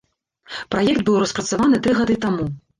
Праект быў распрацаваны тры гады таму.